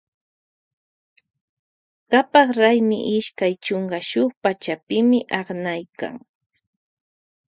Kapak raymi ishkay chunka shuk pachapimi aknaykan.